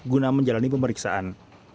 guna menjalani pemeriksaan